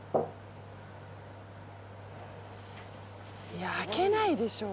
いや開けないでしょ。